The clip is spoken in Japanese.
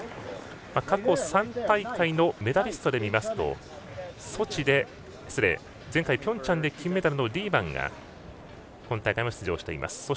過去３大会のメダリストで見ると前回ピョンチャンで金メダルのリーマンが今大会も出場しています。